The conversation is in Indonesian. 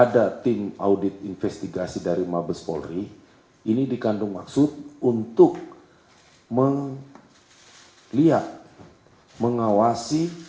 di audit investigasi oleh mabespolri di mana tim mabespolri ini dikutuai